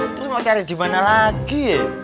terus mau cari dimana lagi